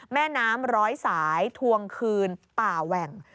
แม่น้ำร้อยสายทวงคืนป่าแหว่ง